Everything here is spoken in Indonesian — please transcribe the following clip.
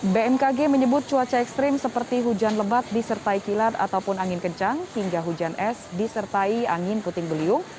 bmkg menyebut cuaca ekstrim seperti hujan lebat disertai kilat ataupun angin kencang hingga hujan es disertai angin puting beliung